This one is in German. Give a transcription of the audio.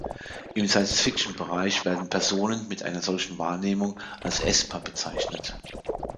Im Science-Fiction-Bereich werden Personen mit einer solchen Wahrnehmung als Esper bezeichnet.